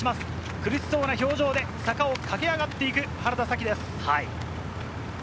苦しそうな表情で坂を駆け上がっていく原田紗希です。